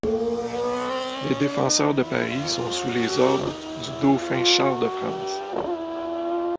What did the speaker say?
Les défenseurs de Paris sont sous les ordres du dauphin Charles de France.